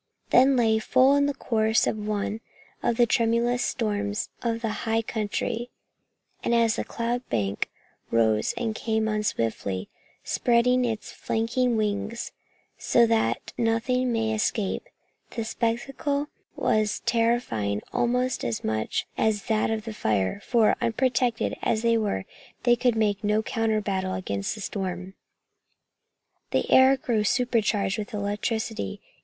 They lay full in the course of one of the tremendous storms of the high country, and as the cloud bank rose and came on swiftly, spreading its flanking wings so that nothing might escape, the spectacle was terrifying almost as much as that of the fire, for, unprotected, as they were, they could make no counter battle against the storm. The air grew supercharged with electricity.